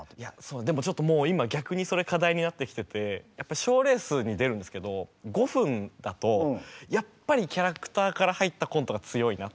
でもちょっともう今逆にそれ課題になってきてて賞レースに出るんですけど５分だとやっぱりキャラクターから入ったコントが強いなっていう。